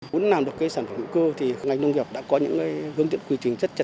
muốn làm được cây sản phẩm hữu cơ thì ngành nông nghiệp đã có những hướng dẫn quy trình